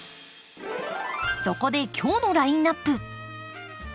そこで今日のラインナップ。